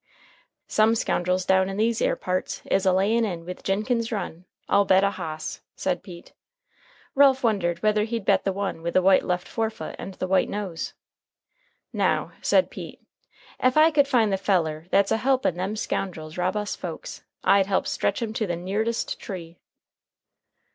"Some scoundrels down in these 'ere parts is a layin' in with Jinkins Run, I'll bet a hoss," said Pete. Ralph wondered whether he'd bet the one with the white left forefoot and the white nose. "Now," said Pete, "ef I could find the feller that's a helpin' them scoundrels rob us folks, I'd help stretch him to the neardest tree."